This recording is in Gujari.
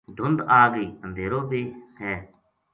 دھند آگئی اندھیرو ب ے